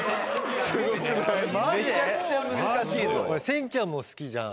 千ちゃんも好きじゃん。